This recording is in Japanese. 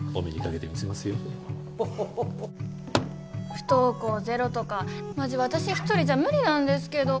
不登校ゼロとかマジわたし一人じゃ無理なんですけど。